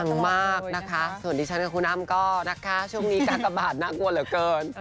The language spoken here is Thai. มากนะคะส่วนดิฉันกับคุณอ้ำก็นะคะช่วงนี้การระบาดน่ากลัวเหลือเกิน